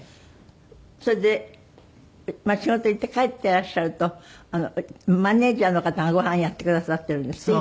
それで仕事行って帰っていらっしゃるとマネジャーの方がご飯やってくださっているんですって？